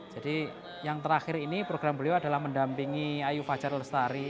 jadi yang terakhir ini program brio adalah mendampingi ayu fajar al sari